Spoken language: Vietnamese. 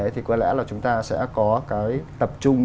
thì có lẽ là chúng ta sẽ có cái tập trung